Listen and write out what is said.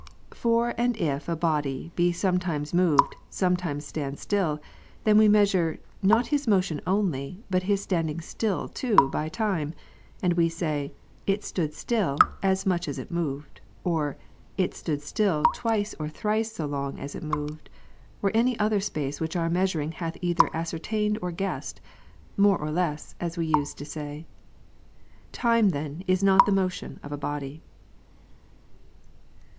For and if a body be sometimes moved, sometimes stands still, then we measure, not his motion only, but his standing still too by time ; and we say, " it stood still, as much as it moved ;" or " it stood still twice or thrice so long as it moved ;" or any other space which our measuring hath either ascertained, or guessed ; more or less, as we use to say. Time then is not the motion of a body.